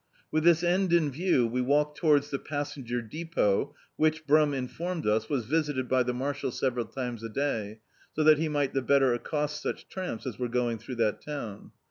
With this end in view we walked towards the pas senger depot, which. Brum informed us, was visited by the marshal several times a day, so that he mi^t the better accost such tramps as were going throu^ that town.